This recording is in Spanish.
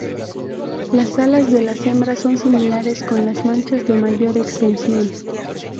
Las alas de las hembras son similares, con las manchas de mayor extensión.